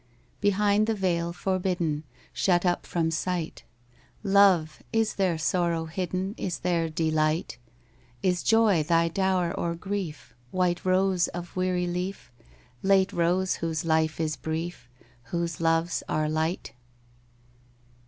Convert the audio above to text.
Behind the veil, forbidden Shut up from sight, Love, is there sorrow hidden, Is there delight? Is joy thy dower or grief, White rose of weary leaf, Late rose whose life is brief, whose loves are light?